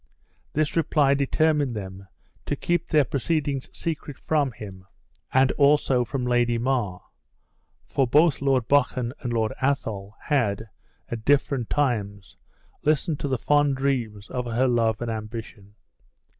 This reply determined them to keep their proceedings secret from him, and also from Lady Mar; for both Lord Buchan and Lord Athol had, at different times, listened to the fond dreams of her love and ambition.